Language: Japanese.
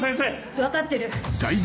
分かってる！